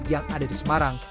yang ada di semarang